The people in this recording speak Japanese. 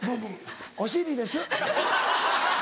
お尻です！